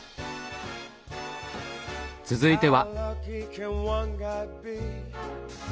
続いては。